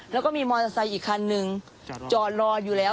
แล้วก็มีมอเตอร์ไซค์อีกคันนึงจอดรออยู่แล้ว